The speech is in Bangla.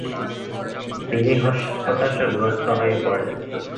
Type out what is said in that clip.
তিনি হতাশাগ্রস্ত হয়ে পড়েন।